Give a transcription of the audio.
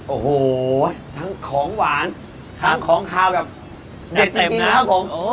โอ้โหทั้งของหวานทั้งของขาวแบบเด็ดเต็มนะครับผม